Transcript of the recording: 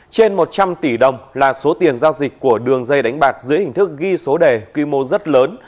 trên một trăm linh tỷ đồng là số tiền giao dịch của đường dây đánh bạc dưới hình thức ghi số đề quy mô rất lớn